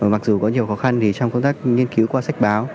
mặc dù có nhiều khó khăn thì trong công tác nghiên cứu qua sách báo